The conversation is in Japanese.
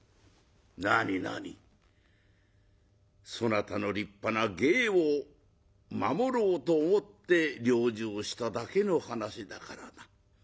「なになにそなたの立派な芸を守ろうと思って療治をしただけの話だからな」。